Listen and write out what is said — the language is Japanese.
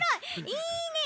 いいね！